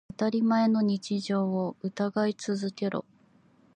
当たり前の日常を疑い続けろ。